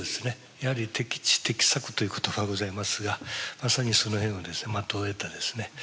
やはり適地適作ということがございますがまさにその辺はですね的を射たですね